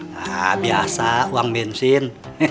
nah biasa uang bensin